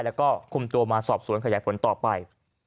แล้วก็คุมตัวมาสอบสวนขยายผลต่อไป